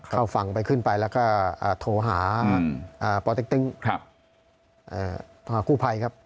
เข้าฝั่งไปขึ้นไปแล้วก็อ่าโทหาอืมอ่าครับเอ่อโทหาคู่ภัยครับ